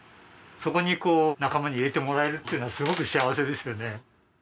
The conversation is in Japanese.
そこにこう仲間に入れてもらえるっていうのはすごく幸せですよね。